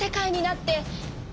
って